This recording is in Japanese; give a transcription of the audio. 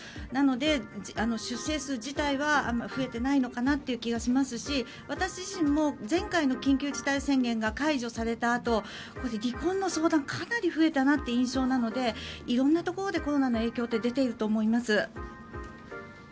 なので、出生数自体は増えてないのかなという気がしますし私自身も前回の緊急事態宣言が解除されたあと離婚の相談がかなり増えたなという印象なので色んなところでコロナの影響って出ていると思います。